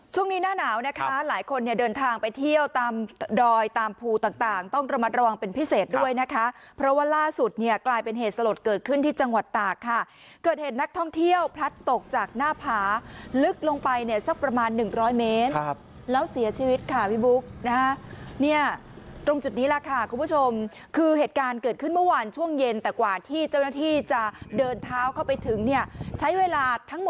ช่วงนี้หน้าหนาวนะคะหลายคนเนี่ยเดินทางไปเที่ยวตามดอยตามภูต่างต่างต้องระมัดระวังเป็นพิเศษด้วยนะคะเพราะว่าล่าสุดเนี่ยกลายเป็นเหตุสลดเกิดขึ้นที่จังหวัดตากค่ะเกิดเห็นนักท่องเที่ยวพลัดตกจากหน้าผาลึกลงไปเนี่ยสักประมาณหนึ่งร้อยเมตรแล้วเสียชีวิตค่ะพี่บุ๊คนะคะเนี่ยตรงจุดนี้แหละค่ะคุณ